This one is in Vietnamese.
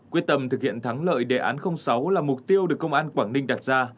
quyết tâm thực hiện thắng lợi đề án sáu là mục tiêu được công an quảng ninh đặt ra